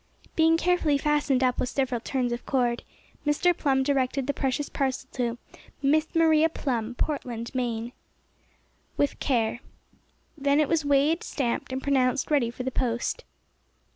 Being carefully fastened up with several turns of cord, Mr. Plum directed the precious parcel to "Miss Maria Plum, Portland, Maine. With care." Then it was weighed, stamped, and pronounced ready for the post.